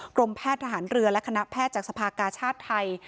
กรมแพทย์ทหารเรือและคณะแพทย์จากสภากาชาติไทย